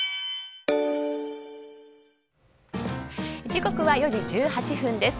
時刻は４時１８分です。